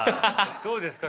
どうですか？